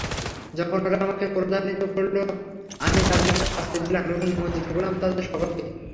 যখন ওরা আমাকে ক্রোধান্বিত করল আমি তাদেরকে শাস্তি দিলাম এবং নিমজ্জিত করলাম তাদের সকলকে।